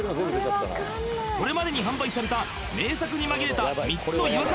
これまでに販売された名作に紛れた３つの違和感